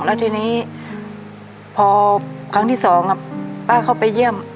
แล้วทีนี้พอครั้งที่สองป้าเข้าไปเยี่ยม